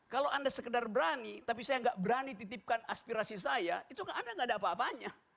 kalau anda sekedar berani tapi saya nggak berani titipkan aspirasi saya itu anda nggak ada apa apanya